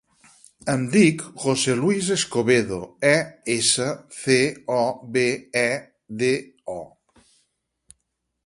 Em dic José luis Escobedo: e, essa, ce, o, be, e, de, o.